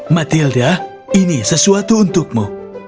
mathilda ini sesuatu untukmu